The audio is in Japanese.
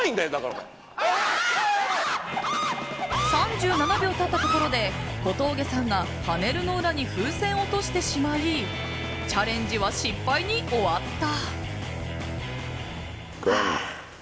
３７秒経ったところで小峠さんが、パネルの裏に風船を落としてしまいチャレンジは失敗に終わった。